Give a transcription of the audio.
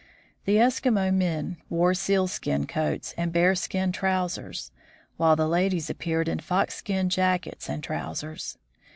The Eskimo men wore sealskin coats and bearskin trousers, while the ladies appeared in foxskin jackets and trousers.